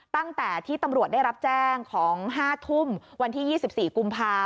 ตั้งแต่ที่ตำรวจได้รับแจ้งของ๕ทุ่มวันที่๒๔กุมภา